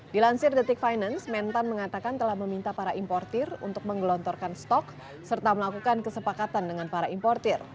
dilansir detik finance mentan mengatakan telah meminta para importir untuk menggelontorkan stok serta melakukan kesepakatan dengan para importer